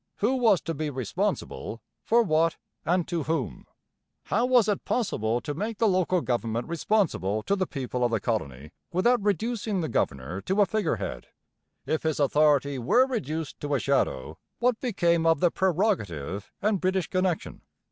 Who was to be 'responsible'? for what? and to whom? How was it possible to make the local government 'responsible' to the people of the colony without reducing the governor to a figurehead? If his authority were reduced to a shadow, what became of the 'prerogative' and British connection?